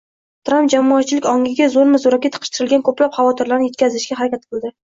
Tramp jamoatchilik ongiga zo‘rma-zo‘raki tiqishtirilgan ko‘plab xavotirlarni ketkazishga harakat qildi.